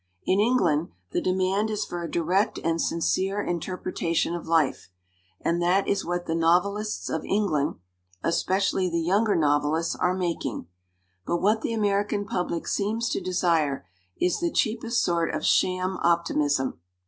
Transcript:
In England the demand is for a direct and sincere interpretation of life, and that is what the novelists of England, especially the younger novelists, are making. But what the American public seems to desire is the cheapest sort of sham optimism.